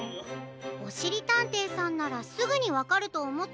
おしりたんていさんならすぐにわかるとおもったんだけど。